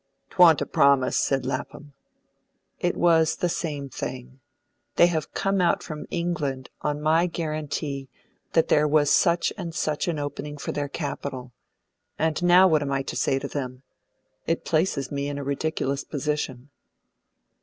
"'Twan't a promise," said Lapham. "It was the same thing; they have come out from England on my guaranty that there was such and such an opening for their capital; and now what am I to say to them? It places me in a ridiculous position."